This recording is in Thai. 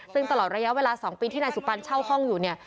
ซึ่งตลอดระยะเวลา๒ปีที่นายสุปันเช่าห้องอยู่เนี่ย